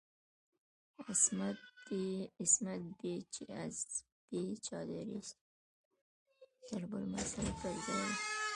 "عصمت بی چه از بی چادریست" ضرب المثل پر ځای دی.